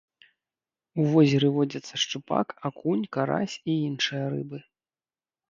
У возеры водзяцца шчупак, акунь, карась і іншыя рыбы.